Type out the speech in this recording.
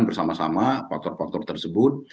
kita harus menemukan bersama sama faktor faktor tersebut